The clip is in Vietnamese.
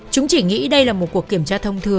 chúng chỉ nghĩ đây là một cuộc kiểm tra thông thường